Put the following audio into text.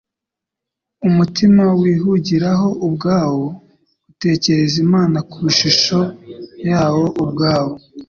Umutima wihugiraho ubwawo utekereza Imana ku ishusho yawo ubwawo.